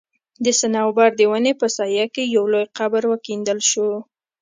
د صنوبر د وني په سايه کي يو لوى قبر وکيندل سو